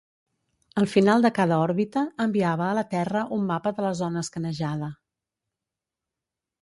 Al final de cada òrbita, enviava a la Terra un mapa de la zona escanejada.